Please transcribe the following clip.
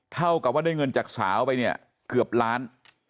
เท่ากับว่าได้เงินจากสาวไปเนี่ยเกือบล้าน